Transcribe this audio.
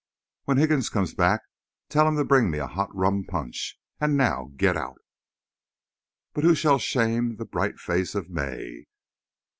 When Higgins comes back, tell him to bring me a hot rum punch. And now get out!" But who shall shame the bright face of May?